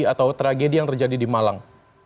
atau tragedi yang terjadi di malang